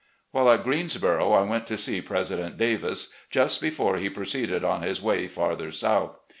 While at Greensboro I went to see President Davis, just before he proceeded on his way farther south.